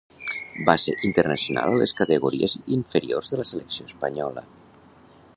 Va ser internacional a les categories inferiors de la selecció espanyola.